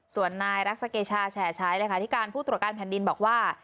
ส่วนนายรักษาเกชาแชร์ใช้เลยค่ะที่การผู้ตรวจการแผ่นดินบอกว่า